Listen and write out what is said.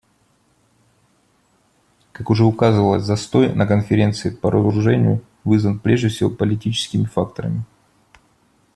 Как уже указывалось, застой на Конференции по разоружению вызван прежде всего политическими факторами.